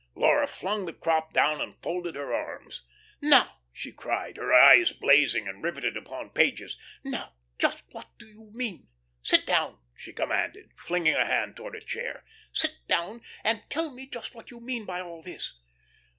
Laura flung the crop down and folded her arms. "Now," she cried, her eyes blazing and rivetted upon Page's. "Now, just what do you mean? Sit down," she commanded, flinging a hand towards a chair, "sit down, and tell me just what you mean by all this."